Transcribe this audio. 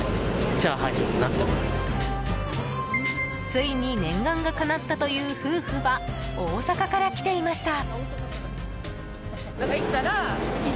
ついに念願がかなったという夫婦は大阪から来ていました。